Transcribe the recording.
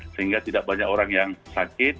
sehingga tidak banyak orang yang sakit